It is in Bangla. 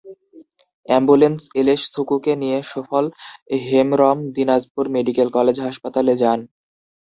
অ্যাম্বুলেন্স এলে সুকুকে নিয়ে সুফল হেমরম দিনাজপুর মেডিকেল কলেজ হাসপাতালে যান।